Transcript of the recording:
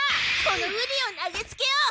このウリを投げつけよう！